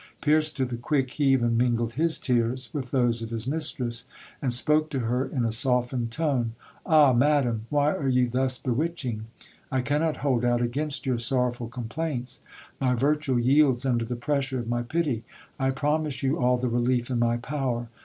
Pierced to the quick, he even mingled his tears with those of his mistress, and spoke to her in a softened tone — Ah ! madam, why are you thus bewitching ! I cannot hold out against your sorrowful complaints, my virtue yields under the pressure of my pity. I pro mise you all the relief in my power.